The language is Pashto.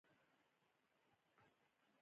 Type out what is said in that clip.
احمد بادام سپين کړل.